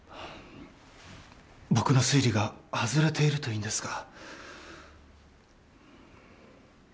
僕の推理が外れているといいんですが。